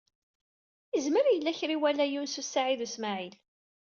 Izmer yella kra i iwala Yunes u Saɛid u Smaɛil.